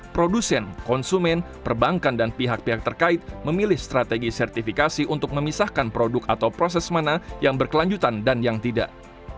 produsen konsumen perbankan dan pihak pihak terkait memilih strategi sertifikasi untuk memisahkan produk atau proses mana yang berkelanjutan dan yang tidak